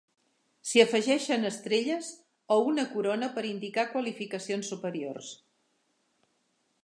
S'hi afegeixen Estrelles o una Corona per indicar qualificacions superiors.